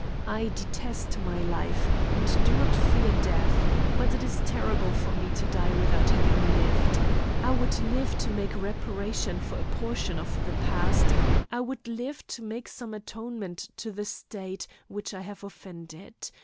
I detest my life, and do not fear death, but it is terrible for me to die without having lived. I would live to make reparation for a portion of the past, I would live to make some atonement to the state, which I have offended.